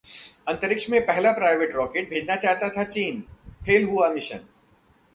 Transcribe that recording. अंतरिक्ष में पहला प्राइवेट रॉकेट भेजना चाहता था चीन, फेल हुआ मिशन